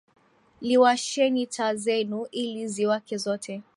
Liwasheni taa zenu ili ziwake zote.